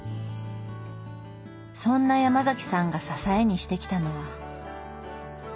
そんなヤマザキさんが支えにしてきたのは。